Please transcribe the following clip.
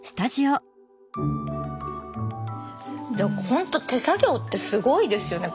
ほんと手作業ってすごいですよね